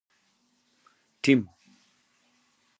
ټیم